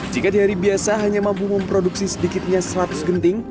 jika di hari biasa hanya mampu memproduksi sedikitnya seratus genting